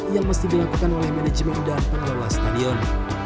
yang mesti dilakukan oleh manajemen dan pengelola stadion